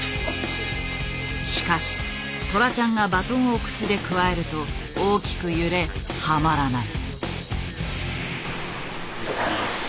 しかしトラちゃんがバトンを口でくわえると大きく揺れはまらない。